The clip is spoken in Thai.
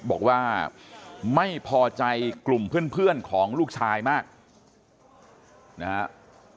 บอกว่าไม่พอใจกลุ่มเพื่อนของลูกชายมากนะครับ